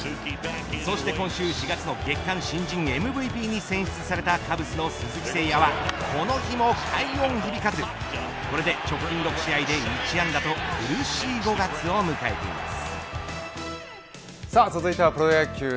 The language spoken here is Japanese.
そして今週４月の月間新人ＭＶＰに選出されたカブスの鈴木誠也はこの日も快音響かずこれで直近６試合で１安打と苦しい５月を迎えています。